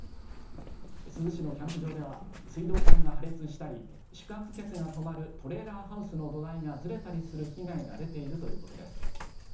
珠洲市のキャンプ場では、水道管が破裂したり、宿泊客が泊まるトレーラーハウスの土台がずれたりする被害が出ているということです。